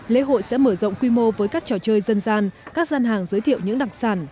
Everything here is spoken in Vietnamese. lễ hội sẽ mở rộng quy mô với các trò chơi dân gian các gian hàng giới thiệu những đặc sản